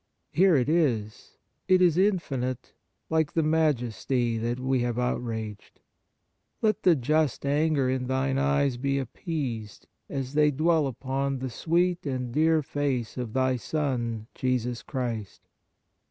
Here it is ; it is infinite, like the Majesty that we have out raged. Let the just anger in Thine eyes be appeased as they dwell upon the sweet and dear face of Thy Son Jesus Christ